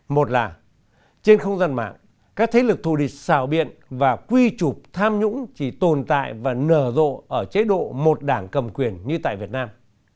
một là trên không gian mạng các thế lực thù địch xào biện và quy trục tham nhũng chỉ tồn tại và nở rộ ở chế độ một đảng cầm quyền như tại việt nam